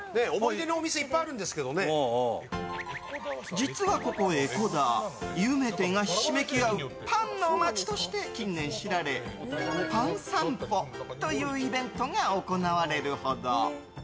実は、ここ江古田有名店がひしめき合うパンの街として近年知られパンさんぽというイベントが行われるほど。